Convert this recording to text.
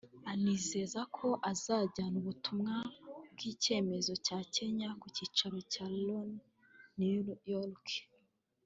anizeza ko ajyana ubutumwa bw’icyemezo cya Kenya ku cyicaro cya Loni i New York